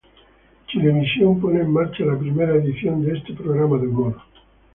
Chilevisión pone en marcha la primera edición de este programa de humor.